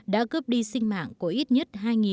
đã cướp đi sinh mạng của ít nhất hai người